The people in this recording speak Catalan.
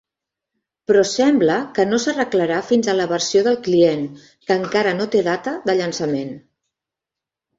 Però sembla que no s'arreglarà fins a la versió del client, que encara no té data de llançament.